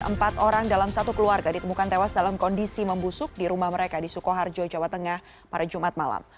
empat orang dalam satu keluarga ditemukan tewas dalam kondisi membusuk di rumah mereka di sukoharjo jawa tengah pada jumat malam